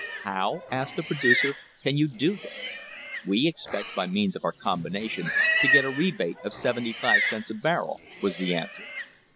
"How," asked the producer, "can you do this?" "We expect, by means of our combination, to get a rebate of seventy five cents a barrel," was the answer.